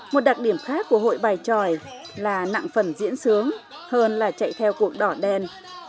một đặc điểm khác của hội bài tròi là nặng phần diễn sướng hơn là chạy theo cuộc đỏ đen